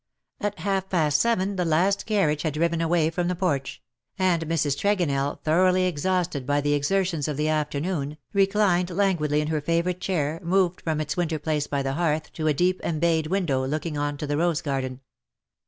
At half past seven, the last carriage had driven away from the porch; and Mrs. Tregonell, thoroughly exhausted by the exertions of the afternoon, reclined languidly in her favourite chair, moved from its winter place by the hearth, to a deep embayed window looking on to the rose garden.